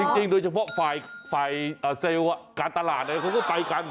จริงโดยเฉพาะฝ่ายเซลล์การตลาดเขาก็ไปกัน